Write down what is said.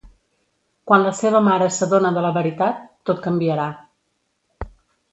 Quan la seva mare s'adona de la veritat, tot canviarà.